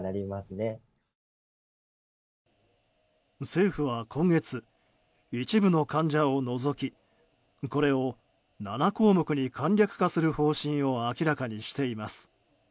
政府は今月、一部の患者を除きこれを７項目に簡略化する方針を明らかにしています。